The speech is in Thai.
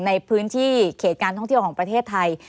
ในพื้นที่เขตการท่องเที่ยวของประเทศไทย